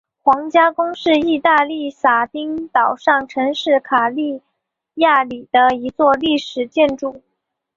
皇家宫是义大利撒丁岛上城市卡利亚里的一座历史建筑。